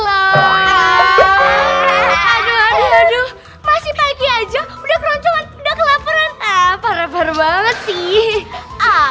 aduh aduh aduh masih pagi aja udah keroncongan udah kelaparan ah parah parah banget sih ah